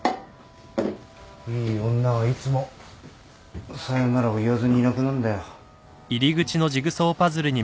いい女はいつもさよならを言わずにいなくなんだよ。